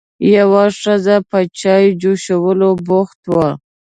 یوه ښځه په چای جوشولو بوخته وه.